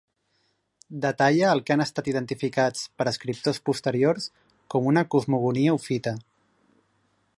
Detalla el que han estat identificats per escriptors posteriors com una cosmogonia ofita.